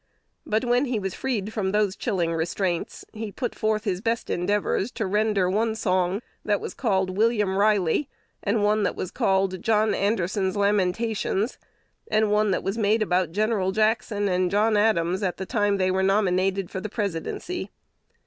But, when he was freed from those chilling restraints, he put forth his best endeavors to render "one [song] that was called 'William Riley,' and one that was called 'John Anderson's Lamentations,' and one that was made about Gen. Jackson and John Adams, at the time they were nominated for the presidency."